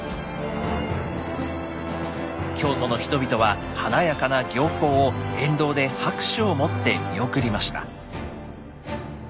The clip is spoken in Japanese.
京都の人々は華やかな行幸を沿道で拍手をもって見送りました。